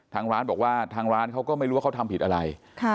ทางร้านบอกว่าทางร้านเขาก็ไม่รู้ว่าเขาทำผิดอะไร